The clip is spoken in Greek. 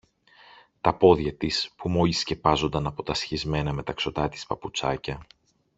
Τα πόδια της που μόλις σκεπάζονταν από τα σχισμένα μεταξωτά της παπουτσάκια